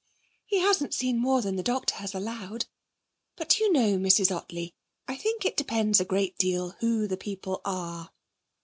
'He hasn't seen more than the doctor has allowed. But, do you know, Mrs. Ottley, I think it depends a great deal who the people are.'